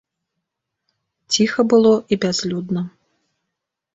Ціха было і бязлюдна.